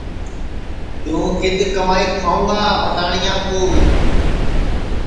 توں کِدؔ کُمائی کھوائوں گا بھتانیا کُو